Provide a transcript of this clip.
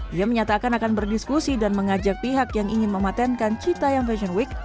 dia menyatakan akan berdiskusi dan mengajak pihak yang ingin mematenkan cita yang fashion week